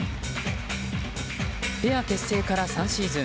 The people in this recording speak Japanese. ペア結成から３シーズン。